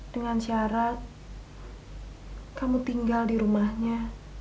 dengan syarat kamu tinggal di rumahnya